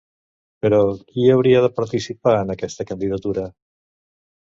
Però, qui hi hauria de participar, en aquesta candidatura?